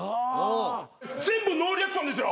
全部ノーリアクションですよ。